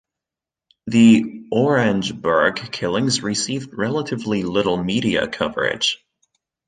The Orangeburg killings received relatively little media coverage.